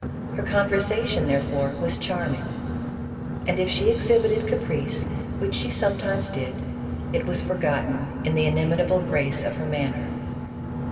Her conversation, therefore, was charming ; and if she exhibited caprice, which she sometimes did, it was forgotten in the in imitable grace of her manner.